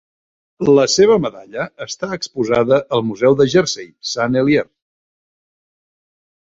La seva medalla està exposada al Museu de Jersey, Sant Helier.